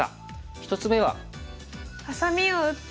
１つ目は。